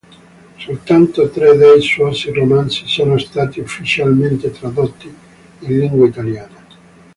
Soltanto tre dei suoi romanzi sono stati ufficialmente tradotti in lingua italiana.